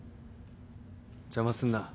邪魔すんな。